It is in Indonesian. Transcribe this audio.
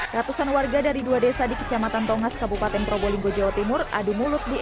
ratusan warga dari dua desa di kecamatan tongas kabupaten probolinggo jawa timur adu mulut di